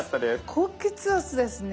高血圧ですね。